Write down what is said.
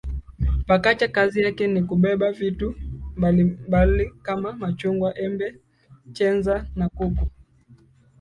Pakacha kazi yake ni kubebea vitu mbali mbali kama machungwa embe chenza na kuku